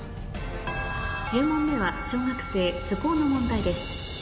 １０問目は小学生図工の問題です